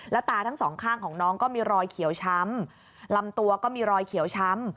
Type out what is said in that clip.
ตาทั้งสองข้างของน้องก็มีรอยเขียวช้ำลำตัวก็มีรอยเขียวช้ำ